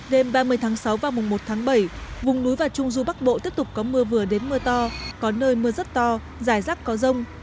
đêm ba mươi tháng sáu và mùng một tháng bảy vùng núi và trung du bắc bộ tiếp tục có mưa vừa đến mưa to có nơi mưa rất to dài rác có rông